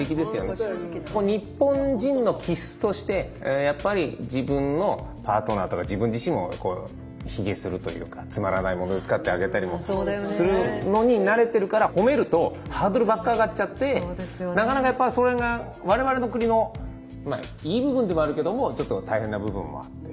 日本人の気質としてやっぱり自分のパートナーとか自分自身も卑下するというか「つまらないものですから」ってあげたりもするのに慣れてるから褒めるとハードルばっか上がっちゃってなかなかやっぱりそれが我々の国のいい部分でもあるけどもちょっと大変な部分もあって。